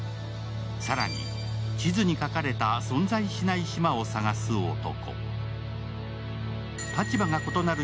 更に地図に描かれた存在しない島を探す男。